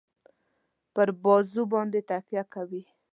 پر بازو باندي تکیه کوي.